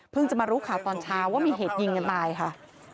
เพิ่งจะมารู้ค่ะตอนเช้าว่ามีเหตุจริงในปลายค่ะ